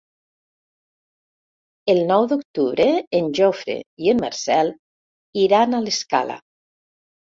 El nou d'octubre en Jofre i en Marcel iran a l'Escala.